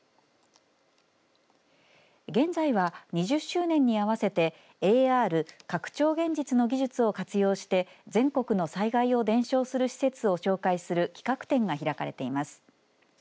現在は２０周年に合わせてＡＲ＝拡張現実の技術を活用して全国の災害を伝承する施設を紹介する企画展が開かれています。